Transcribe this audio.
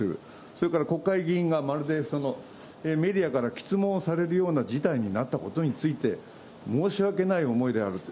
それから国会議員がまるでメディアから詰問をされるような事態になったことについて、申し訳ない思いである。